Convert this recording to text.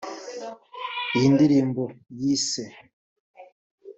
Iyi ndirimbo yise